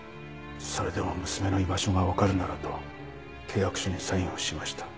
それでも娘の居場所がわかるならと契約書にサインをしました。